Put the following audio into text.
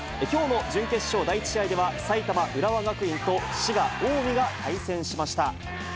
きょうの準決勝第１試合では、埼玉・浦和学院と滋賀・近江が対戦しました。